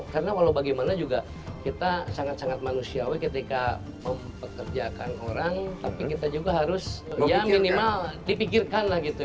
karena kalau bagaimana juga kita sangat sangat manusiawi ketika mempekerjakan orang tapi kita juga harus ya minimal dipikirkan lah gitu